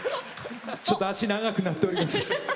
ちょっと脚長くなっております。